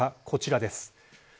こちらです。